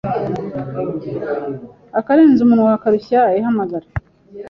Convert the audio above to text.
Akarenze umunwa karushya ihamagara